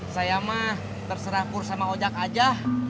saya mah terserah pur sama ojak aja